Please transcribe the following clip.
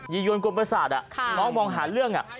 ี่ยวนกลมประสาทน้องมองหาเรื่อง